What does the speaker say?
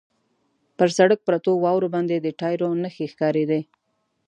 پر سړک پرتو واورو باندې د ټایرو نښې ښکارېدې.